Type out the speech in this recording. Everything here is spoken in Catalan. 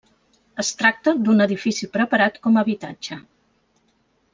Es tracta d'un edifici preparat com a habitatge.